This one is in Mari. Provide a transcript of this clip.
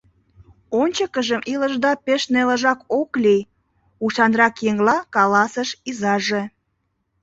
Ончыкыжым илышда пеш нелыжак ок лий, — ушанрак еҥла каласыш изаже.